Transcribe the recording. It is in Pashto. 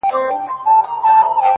گوره زما گراني زما د ژوند شاعري؛